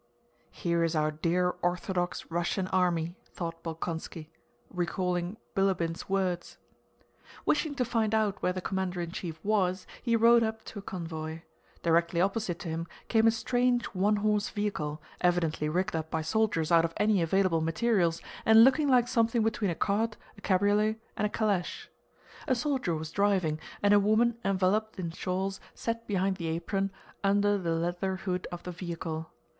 "Here is our dear Orthodox Russian army," thought Bolkónski, recalling Bilíbin's words. Wishing to find out where the commander in chief was, he rode up to a convoy. Directly opposite to him came a strange one horse vehicle, evidently rigged up by soldiers out of any available materials and looking like something between a cart, a cabriolet, and a calèche. A soldier was driving, and a woman enveloped in shawls sat behind the apron under the leather hood of the vehicle.